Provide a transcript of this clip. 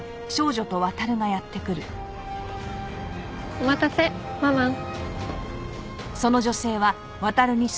お待たせママン。